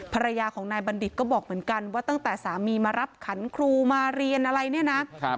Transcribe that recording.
ภรรยาของนายบัณฑิตก็บอกเหมือนกันว่าตั้งแต่สามีมารับขันครูมาเรียนอะไรเนี่ยนะ